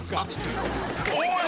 おい！